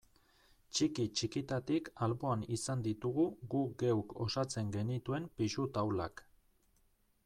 Txiki-txikitatik alboan izan ditugu guk geuk osatzen genituen pisu taulak.